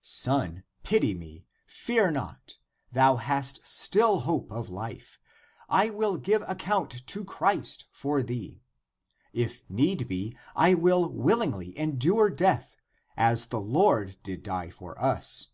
Son, pity me. Fear not; thou hast still hope of life. I will give account to Christ for thee. If need be, I will willingly endure death, as the Lord did die for us.